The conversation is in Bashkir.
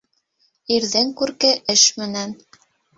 Ирҙең күрке эш менән.